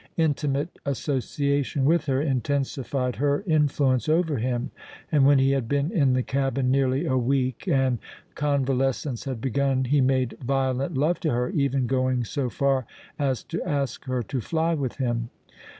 Intimate association with her intensified her influence over him, and when he had been in the cabin nearly a week and convalescence had begun he made violent love to her, even going so far as to ask her to fly with him.